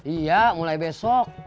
iya mulai besok